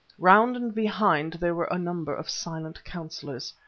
Round and behind there were a number of silent councillors.